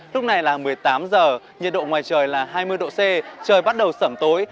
lúc này là một mươi tám giờ nhiệt độ ngoài trời là hai mươi độ c trời bắt đầu sẩm tối